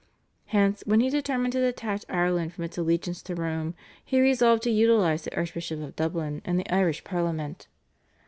Hence, when he determined to detach Ireland from its allegiance to Rome, he resolved to utilise the Archbishop of Dublin and the Irish Parliament.